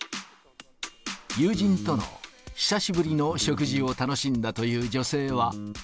友人との久しぶりの食事を楽しんだという女性は。